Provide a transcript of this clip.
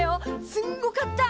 すんごかった！